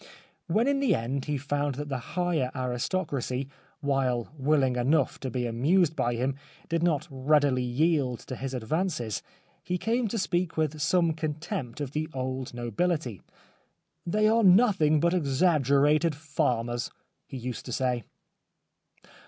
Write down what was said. When in the end he found that the higher aristocracy, while willing enough to be amused by him, did not readily yield to his ad vances, he came to speak with some contempt of the old nobility. " They are nothing but exaggerated farmers," he used to say.